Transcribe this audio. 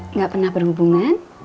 enggak pernah berhubungan